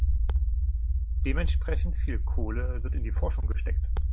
Dementsprechend viel Kohle wird in Forschung gesteckt.